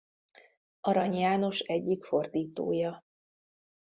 Arany János egyik fordítója.